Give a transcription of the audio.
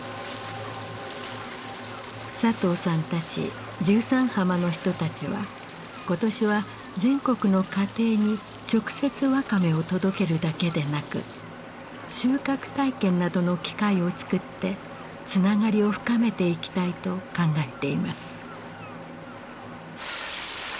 佐藤さんたち十三浜の人たちは今年は全国の家庭に直接ワカメを届けるだけでなく収穫体験などの機会を作ってつながりを深めていきたいと考えています。